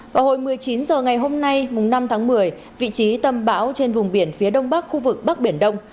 vào hồi một mươi chín h ngày hôm nay năm tháng một mươi vị trí tâm bão trên vùng biển phía đông bắc khu vực bắc biển đông